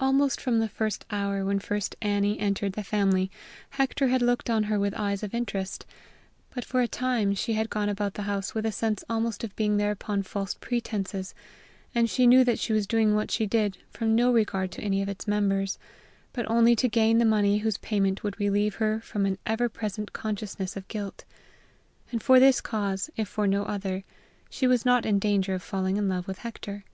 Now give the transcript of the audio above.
Almost from the hour when first Annie entered the family, Hector had looked on her with eyes of interest; but, for a time, she had gone about the house with a sense almost of being there upon false pretenses, for she knew that she was doing what she did from no regard to any of its members, but only to gain the money whose payment would relieve her from an ever present consciousness of guilt; and for this cause, if for no other, she was not in danger of falling in love with Hector.